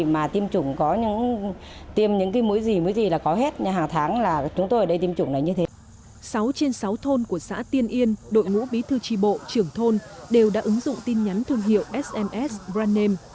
sáu trên sáu thôn của xã tiên yên đội ngũ bí thư tri bộ trưởng thôn đều đã ứng dụng tin nhắn thương hiệu sms brand name